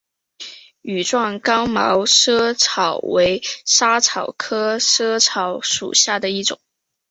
羽状刚毛藨草为莎草科藨草属下的一个种。